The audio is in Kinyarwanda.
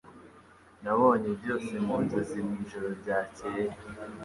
Nabonye byose mu nzozi mwijoro ryakeye.